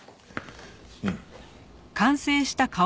うん。